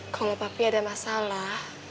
kalau papi ada masalah